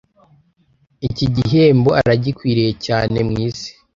ikigihembo aragikwiriye cyane mu isi